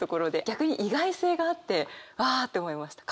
逆に意外性があってわあって思いました。